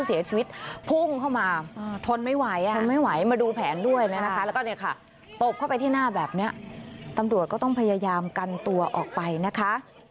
ด้วยนะนะคะแล้วก็เนี่ยค่ะตบเข้าไปที่หน้าแบบเนี่ยตำรวจก็ต้องพยายามกันตัวออกไปนะคะ